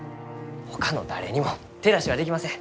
ほかの誰にも手出しはできません。